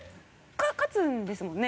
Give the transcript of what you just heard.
勝つんですもんね？